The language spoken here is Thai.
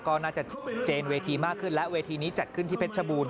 ก็น่าจะเจนเวทีมากขึ้นและเวทีนี้จัดขึ้นที่เพชรชบูรณ